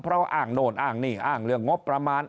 เพราะอ้างโน่นอ้างนี่อ้างเรื่องงบประมาณ